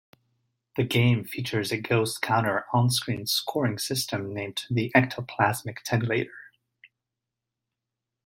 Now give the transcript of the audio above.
The game features a Ghost counter on-screen scoring system named the "Ectoplasmic Tabulator".